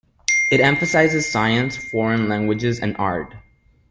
It emphasizes science, foreign languages, and art.